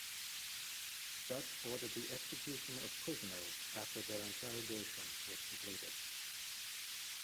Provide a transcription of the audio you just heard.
Duch ordered the execution of prisoners after their interrogation was completed.